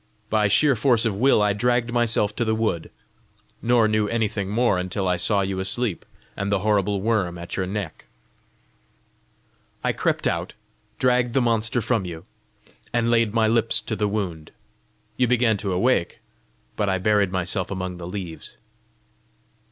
By sheer force of will I dragged myself to the wood nor knew anything more until I saw you asleep, and the horrible worm at your neck. I crept out, dragged the monster from you, and laid my lips to the wound. You began to wake; I buried myself among the leaves."